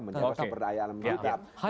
menjaga sumber daya alam meningkat